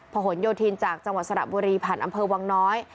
หนโยธินจากจังหวัดสระบุรีผ่านอำเภอวังน้อย